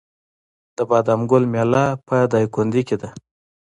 د بادام ګل میله په دایکنډي کې ده.